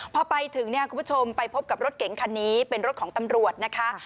พอไปถึงเนี่ยคุณผู้ชมไปพบกับรถเก๋งคันนี้เป็นรถของตำรวจนะคะ